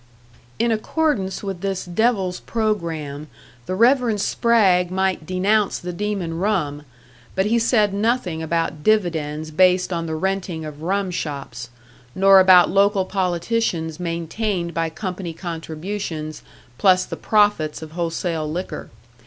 In accordance with this devil's program, the Reverend Spragg might denounce the demon rum, but he said nothing about dividends based on the renting of rum shops, nor about local politicians maintained by company contributions, plus the profits of wholesale liquor.